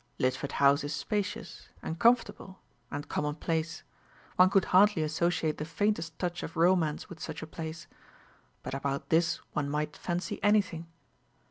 "Lidford House is spacious, and comfortable, and commonplace. One could hardly associate the faintest touch of romance with such a place. But about this one might fancy anything.